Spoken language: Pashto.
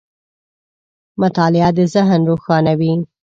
• مطالعه د ذهن روښانوي.